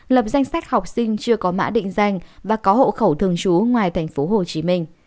lập danh sách học sinh chưa có mã định danh và có hộ khẩu thường trú ngoài tp hcm